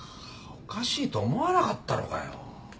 おかしいと思わなかったのかよ。